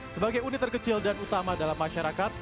sebagai unit terkecil dan utama dalam masyarakat